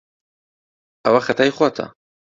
ئەوە خەتای خۆتە.